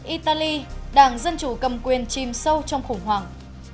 italy đảng dân chủ cầm quyền chìm sâu trong khủng hoảng